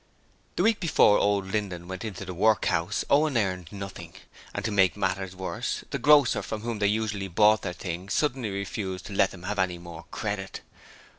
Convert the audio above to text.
The week before old Linden went into the workhouse Owen earned nothing, and to make matters worse the grocer from whom they usually bought their things suddenly refused to let them have any more credit.